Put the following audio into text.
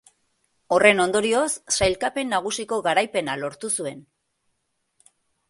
Horren ondorioz, sailkapen nagusiko garaipena lortu zuen.